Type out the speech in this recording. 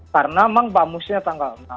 karena memang bamusnya tanggal enam